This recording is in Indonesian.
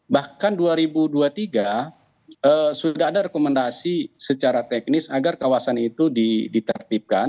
bahkan dua ribu dua puluh tiga sudah ada rekomendasi secara teknis agar kawasan itu ditertibkan